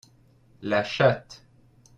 La chatte.